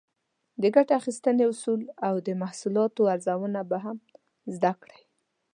د ګټې اخیستنې اصول او د محصولاتو ارزونه به هم زده کړئ.